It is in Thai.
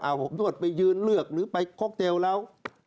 อ้าวผมโดดไปยืนเลือกหรือไปโคกเตลแล้ว